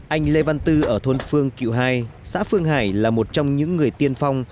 anh lê văn tư ở thôn phương cựu hai xã phương hải là một trong những người tiên phong